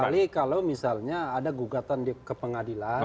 kecuali kalau misalnya ada gugatan ke pengadilan